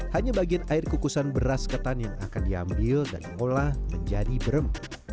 hanya bagian air kukusan beras ketan yang akan diambil dan diolah menjadi berem